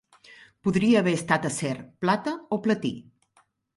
Podria haver estat acer, plata o platí.